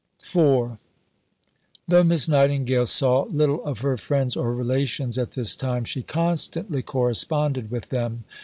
IV Though Miss Nightingale saw little of her friends or relations at this time, she constantly corresponded with them.